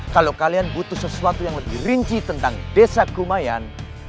kalau kalian butuh sesuatu yang lebih rinci tentang desa kerumayan